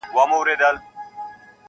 انساني کرامت تر سوال للاندي دی,